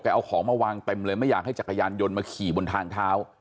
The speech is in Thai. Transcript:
เอาของมาวางเต็มเลยไม่อยากให้จักรยานยนต์มาขี่บนทางเท้า